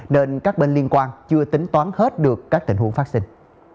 nên các bên liên quan chưa tính toán hết được các tình huống phát sinh